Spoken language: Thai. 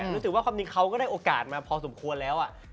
รู้สึกว่าความจริงเขาก็ได้โอกาสมาพอสมควรแล้ว